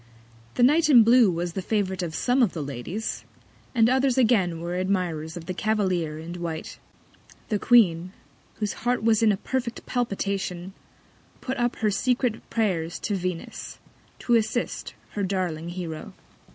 The Knight in blue was the Favourite of some of the Ladies; and others again were Admirers of the Cavalier in white. The Queen, whose Heart was in a perfect Palpitation, put up her secret Prayers to Venus to assist her darling Hero.